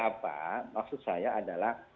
apa maksud saya adalah